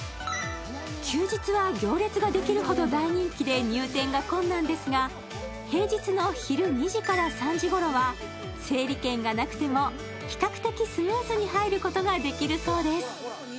休日は行列ができるほど大人気で入店が困難ですが平日の昼２時から３時ごろは整理券がなくても比較的スムーズに入ることができるそうです。